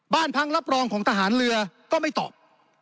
บ้านพังรับรองของทหารเรือก็ไม่ตอบ